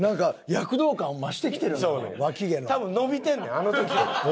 多分伸びてんねんあの時より。